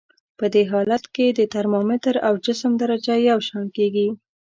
په دې حالت کې د ترمامتر او جسم درجه یو شان کیږي.